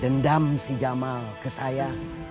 dendam si jamal ke saya